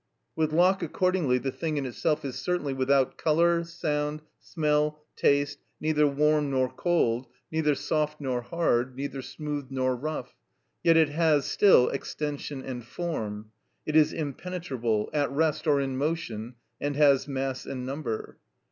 With Locke accordingly the thing in itself is certainly without colour, sound, smell, taste, neither warm nor cold, neither soft nor hard, neither smooth nor rough; yet it has still extension and form, it is impenetrable, at rest or in motion, and has mass and number.